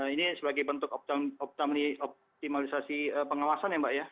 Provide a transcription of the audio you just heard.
ini sebagai bentuk optimalisasi pengawasan ya mbak ya